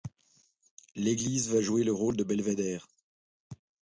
L'église va jouer le rôle de belvédère.